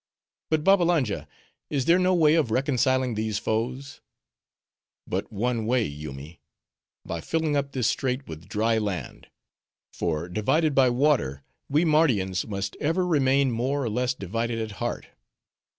"But Babbalanja, is there no way of reconciling these foes?" "But one way, Yoomy:—By filling up this strait with dry land; for, divided by water, we Mardians must ever remain more or less divided at heart.